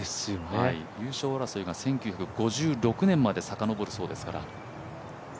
優勝争いが１９５６年までさかのぼるそうですから。